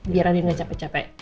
biar andi gak capek capek